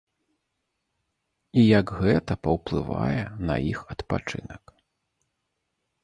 І як гэта паўплывае на іх адпачынак.